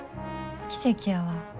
奇跡やわ。